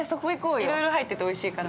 ◆いろいろ入ってておいしいから。